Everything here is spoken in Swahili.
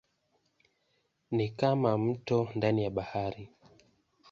Ni kama mto ndani ya bahari.